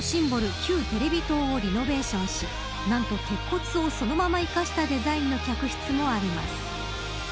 旧テレビ塔をリノベーションし何と鉄骨を、そのまま生かしたデザインの客室もあります。